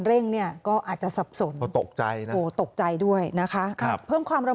แล้วก็ชนรถอีกคันหนึ่งหน้าร้าน